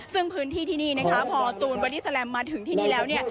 ซึ่งพื้นที่ที่นี่นะคะพอตูนบอดี้แลมมาถึงที่นี่แล้วเนี่ย